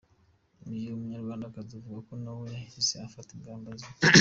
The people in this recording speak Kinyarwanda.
Uyu Munyarwandakazi avuga ko nawe yahise afata ingamba zo.